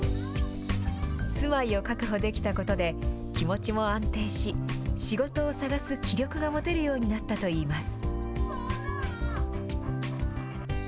住まいを確保できたことで、気持ちも安定し、仕事を探す気力が持てるようになったといいます。